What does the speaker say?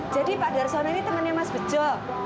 jadi pak gerson ini temannya mas bejo